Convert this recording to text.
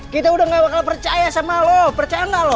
kita udah gak bakal percaya sama lo percaya loh